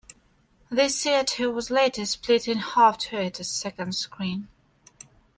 This theatre was later split in half to add a second screen.